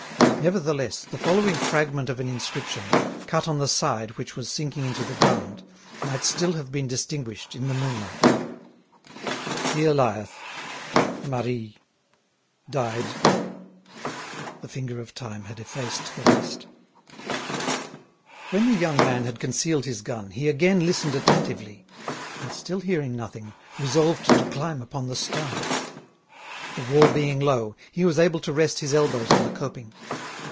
Nevertheless, the following fragment of an inscription, cut on the side which was sinking into the ground, might still have been distinguished in the moonlight: "Here lieth ... Marie ... died ..." The finger of time had effaced the rest. When the young man had concealed his gun he again listened attentively, and still hearing nothing, resolved to climb upon the stone. The wall being low, he was able to rest his elbows on the coping.